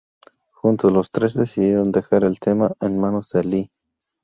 Juntos, los tres, decidieron dejar el tema en manos de Lee.